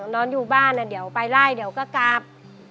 นอนอยู่บ้านเดี๋ยวไปไล่เดี๋ยวก็กลับ